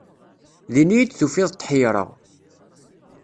Din iyi-d tufiḍ tḥeyṛeɣ.